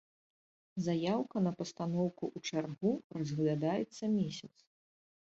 Заяўка на пастаноўку ў чаргу разглядаецца месяц.